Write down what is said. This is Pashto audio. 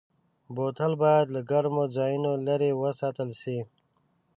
بوتل باید له ګرمو ځایونو لېرې وساتل شي.